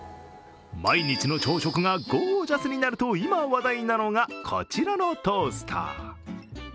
毎日の朝食がゴージャスになると今話題なのがこちらのトースター。